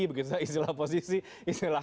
begitu istilah oposisi istilah